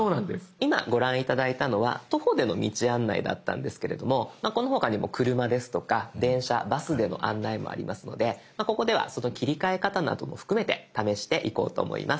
今ご覧頂いたのは徒歩での道案内だったんですけれどもこの他にも車ですとか電車バスでの案内もありますのでここではその切り替え方なども含めて試していこうと思います。